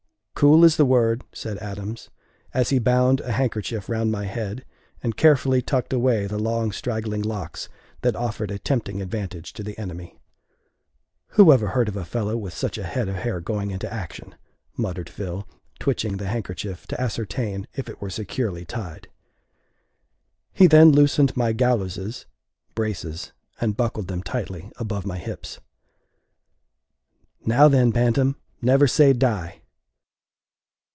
"Cool is the word," said Adams, as he bound a handkerchief round my head, and carefully tucked away the long straggling locks that offered a tempting advantage to the enemy. "Who ever heard of a fellow with such a head of hair going into action!" muttered Phil, twitching the handkerchief to ascertain if it were securely tied. He then loosened my gallowses (braces), and buckled them tightly above my hips. "Now, then, bantam, never say die!"